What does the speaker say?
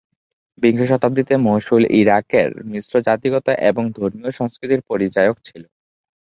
বিংশ শতাব্দীতে মসুল ইরাকের মিশ্র জাতিগত এবং ধর্মীয় সংস্কৃতির পরিচায়ক ছিল।